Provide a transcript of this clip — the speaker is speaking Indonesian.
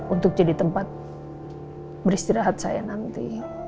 untuk jadi tempat beristirahat saya nanti